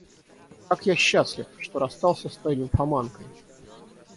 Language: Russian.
Как я счастлив, что расстался с той нимфоманкой!